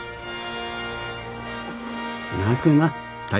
泣くな武。